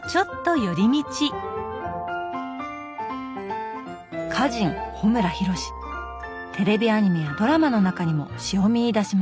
テレビアニメやドラマの中にも詩を見いだします。